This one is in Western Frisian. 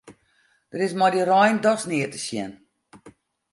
Der is mei dy rein dochs neat te sjen.